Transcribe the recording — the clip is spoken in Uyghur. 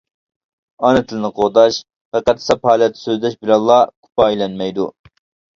ئانا تىلنى قوغداش پەقەت ساپ ھالەتتە سۆزلەش بىلەنلا كۇپايىلەنمەيدۇ.